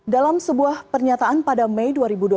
dalam sebuah pernyataan pada mei dua ribu dua puluh